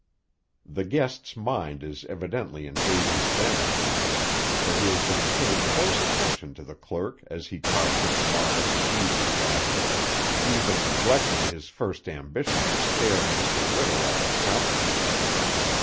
The guest's mind is evidently in Davy's Bend now, for he has been paying close attention to the clerk as he talks in a modest easy fashion, even neglecting his first ambition to stare Mr. Whittle out of countenance.